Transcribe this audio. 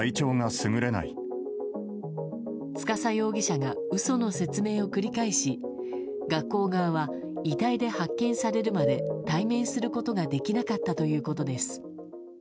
司容疑者が嘘の説明を繰り返し学校側は、遺体で発見されるまで対面することができなかったということです。